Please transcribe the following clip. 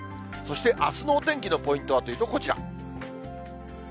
そして、あすのお天気のポイントはというとこちら。